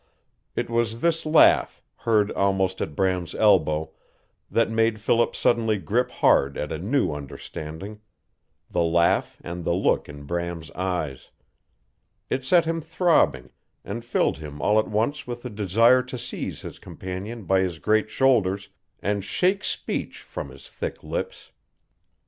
It was this laugh, heard almost at Bram's elbow, that made Philip suddenly grip hard at a new understanding the laugh and the look in Bram's eyes. It set him throbbing, and filled him all at once with the desire to seize his companion by his great shoulders and shake speech from his thick lips.